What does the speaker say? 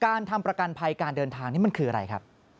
การทำประกันภัยการเดินทางนี่มันคืออะไรครับ